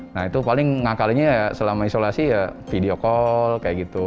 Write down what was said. nah itu paling ngakalinnya ya selama isolasi ya video call kayak gitu